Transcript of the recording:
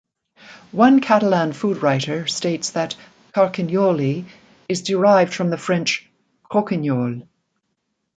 One Catalan food writer states that "carquinyoli" is derived from the French "croquignole".